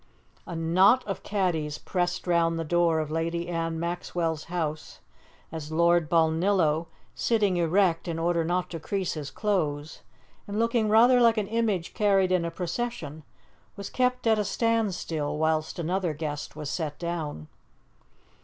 A knot of caddies pressed round the door of Lady Anne Maxwell's house as Lord Balnillo, sitting erect in order not to crease his clothes and looking rather like an image carried in a procession, was kept at a standstill whilst another guest was set down.